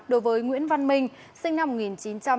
đối với nguyễn văn minh sinh năm một nghìn chín trăm tám mươi